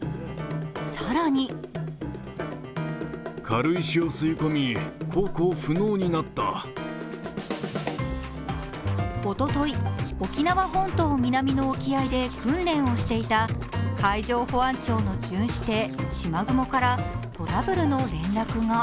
更におととい沖縄本島南の沖合で訓練をしていた海上保安庁の巡視艇「しまぐも」からトラブルの連絡が。